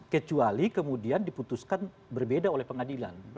kecuali kemudian diputuskan berbeda oleh pengadilan